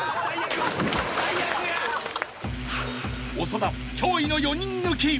［長田驚異の４人抜き］